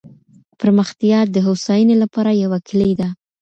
پرمختيا د هوساينې لپاره يوه کلۍ ده.